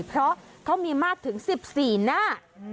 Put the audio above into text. เพราะเขามีมากถึง๑๔หน้า